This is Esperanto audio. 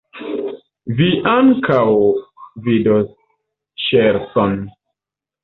Vi ankoraŭ vidos ŝercon!